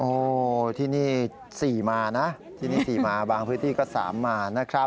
ที่นี่๔มานะที่นี่๔มาบางพื้นที่ก็๓มานะครับ